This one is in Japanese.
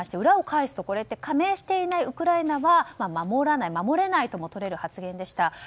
裏を返すと加盟していないウクライナは守らない守れないともとれる発言でした。